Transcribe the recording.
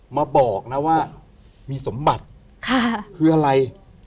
มาบอกนะว่ามีสมบัติคืออะไร